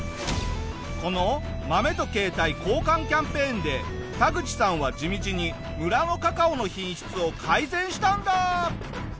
この豆と携帯交換キャンペーンでタグチさんは地道に村のカカオの品質を改善したんだ！